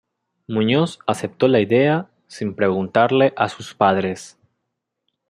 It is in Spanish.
Muñoz aceptó la idea sin preguntarle a sus padres.